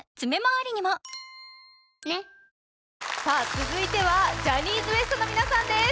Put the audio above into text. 続いてはジャニーズＷＥＳＴの皆さんです。